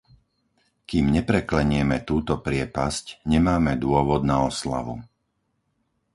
Kým nepreklenieme túto priepasť, nemáme dôvod na oslavu.